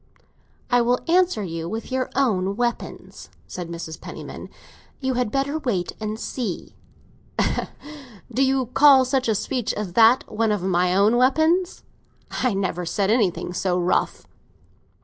"I will answer you with your own weapons," said Mrs. Penniman. "You had better wait and see!" "Do you call such a speech as that one of my own weapons? I never said anything so rough."